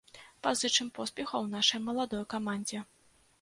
Пазычым поспехаў нашай маладой камандзе.